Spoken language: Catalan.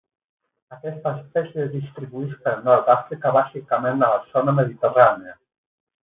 Aquesta espècie es distribuïx pel Nord d'Àfrica bàsicament a la zona mediterrània.